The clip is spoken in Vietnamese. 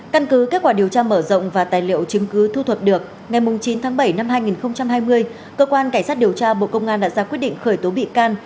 căn cứ kết quả điều tra mở rộng và tài liệu chứng cứ thu thập được ngày chín tháng bảy năm hai nghìn hai mươi cơ quan cảnh sát điều tra bộ công an đã ra quyết định khởi tố bị can